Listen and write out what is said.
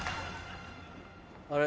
あれ？